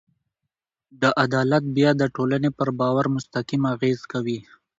دا عدالت بیا د ټولنې پر باور مستقیم اغېز کوي.